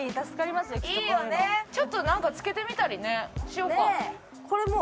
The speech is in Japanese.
ちょっとなんか着けてみたりねしようか。